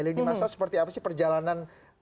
lini masa seperti apa sih perjalanan